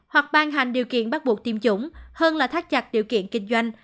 hoặc ban hành điều kiện bắt buộc tiêm chủng hơn là thắt chặt điều kiện kinh doanh